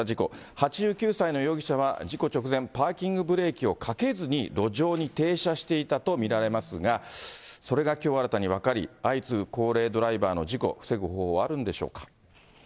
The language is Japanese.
８９歳の容疑者は、事故直前、パーキングブレーキをかけずに、路上に停車していたと見られますが、それがきょう、新たに分かり、相次ぐ高齢ドライバーの事故、防ぐ方法はあるんでしょうか。